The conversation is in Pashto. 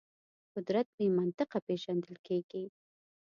قدرت بې منطقه پېژندل کېږي.